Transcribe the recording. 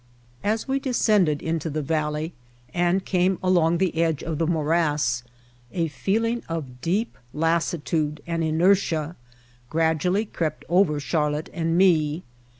As we descended into the valley and came along the edge of the morass a feeling of deep lassitude and inertia gradually crept over Char lotte and me.